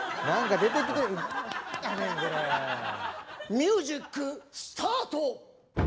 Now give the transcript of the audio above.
ミュージックスタート！